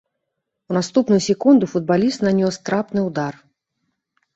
У наступную секунду футбаліст нанёс трапны ўдар.